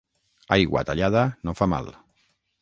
Aigua tallada no fa mal.